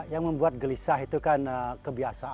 kami melihat sampah cara dibawa masuk